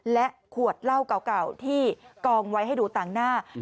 และขวดเหล้าเก่าที่กองไว้ให้ดูต่างหน้า